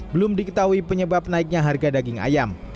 belum diketahui penyebab naiknya harga daging ayam